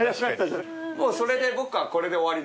それで僕はこれで終わり。